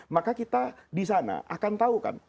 maka kita disana akan tahu kan